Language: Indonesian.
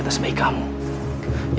maka aku akan menanggung dia